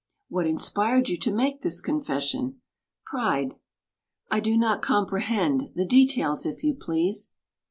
"What inspired you to make this confession?" "Pride." "I do not comprehend. The details, if you please."